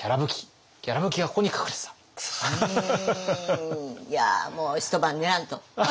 いやもう一晩練らんと。